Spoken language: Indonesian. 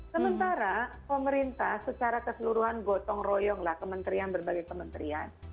sementara pemerintah secara keseluruhan gotong royonglah kementerian berbagai kementerian